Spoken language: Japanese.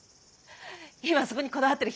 今そこにこだわってる